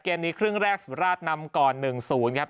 เกมนี้ครึ่งแรกสุราชนำก่อน๑๐ครับ